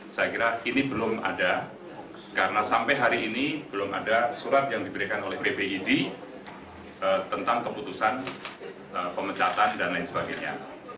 saya kira ini belum ada karena sampai hari ini belum ada surat yang diberikan oleh bpid tentang keputusan pemecatan dan lain sebagainya